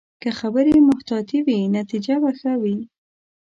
که خبرې محتاطې وي، نتیجه به ښه وي